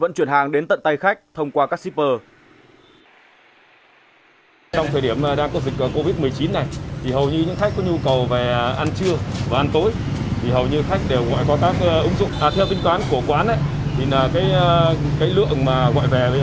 vận chuyển hàng đến tận tay khách thông qua các shipper